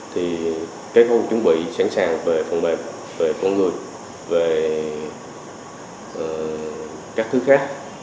thì cái môn chuẩn bị sẵn sàng về phần mềm về con người về các thứ khác